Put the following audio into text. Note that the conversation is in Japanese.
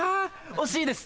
惜しいです。